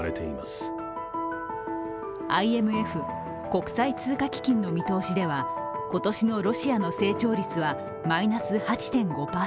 ＩＭＦ＝国際通貨基金の見通しでは今年のロシアの成長率はマイナス８．５％。